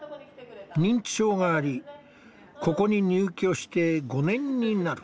認知症がありここに入居して５年になる。